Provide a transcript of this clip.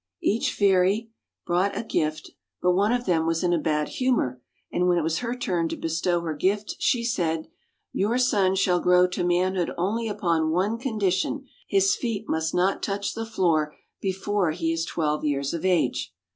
Each fairy brought a gift, but one of them was in a bad humor, and when it was her turn to bestow her gift, she said, " Your son shall grow to manhood only upon one condition: his feet must not touch the floor before he is twelve years of age."